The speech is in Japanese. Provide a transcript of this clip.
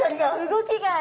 動きがある。